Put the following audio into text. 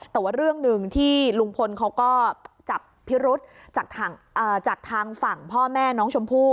แต่ว่าเรื่องหนึ่งที่ลุงพลเขาก็จับพิรุษจากทางฝั่งพ่อแม่น้องชมพู่